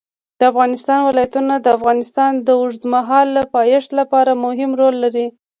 د افغانستان ولايتونه د افغانستان د اوږدمهاله پایښت لپاره مهم رول لري.